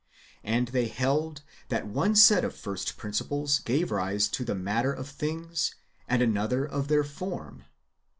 And [they held] that one set of first principles ^ gave rise to the matter [of things], and another to their form.